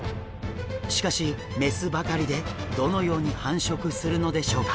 しかし雌ばかりでどのように繁殖するのでしょうか？